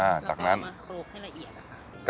อ่าจากนั้นแล้วก็เอามาโขลกให้ละเอียดนะคะ